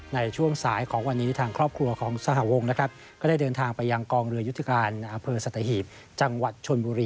ในช่วงสายของวันนี้ทางครอบครัวของสหวงนะครับก็ได้เดินทางไปยังกองเรือยุทธการอำเภอสัตหีบจังหวัดชนบุรี